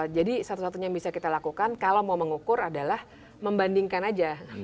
jadi satu satunya yang bisa kita lakukan kalau mau mengukur adalah membandingkan aja